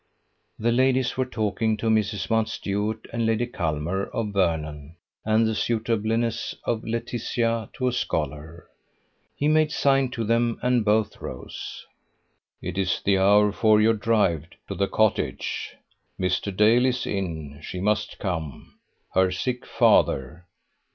The ladies were talking to Mrs. Mountstuart and Lady Culmer of Vernon and the suitableness of Laetitia to a scholar. He made sign to them, and both rose. "It is the hour for your drive. To the cottage! Mr. Dale is in. She must come. Her sick father!